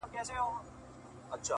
پاچهي د ځناورو وه په غرو کي!!